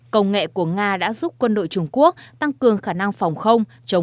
công nghệ của nga đã giúp quân đội trung quốc tăng cường khả năng phòng không chống